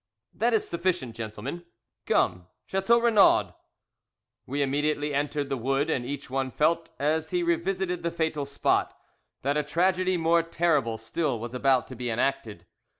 "That is sufficient, gentlemen. Come, Chateau Renaud!" We immediately entered the wood, and each one felt, as he revisited the fatal spot, that a tragedy more terrible still was about to be enacted.